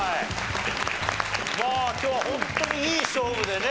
今日はホントにいい勝負でね。